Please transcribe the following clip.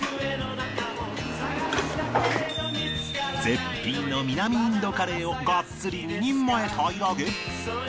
絶品の南インドカレーをがっつり２人前平らげ